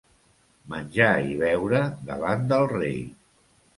Menjar i beure davant del rei.